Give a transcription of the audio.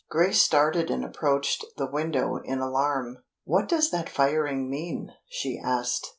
Grace started and approached the window in alarm. "What does that firing mean?" she asked.